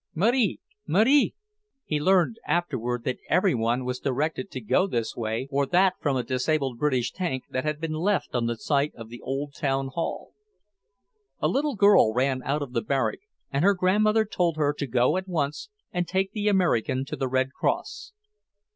Marie, Marie!" (He learned afterward that every one was directed to go this way or that from a disabled British tank that had been left on the site of the old town hall.) A little girl ran out of the barrack, and her grandmother told her to go at once and take the American to the Red Cross.